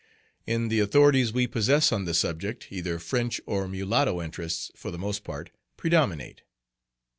In the authorities we possess on the subject, either French or mulatto interests, for the most part, predominate.